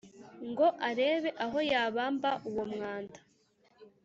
Ngo arebe aho yabamba uwo mwanda